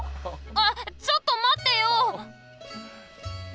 あっちょっとまってよ！